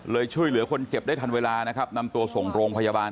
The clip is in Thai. ช่วยเหลือคนเจ็บได้ทันเวลานะครับนำตัวส่งโรงพยาบาล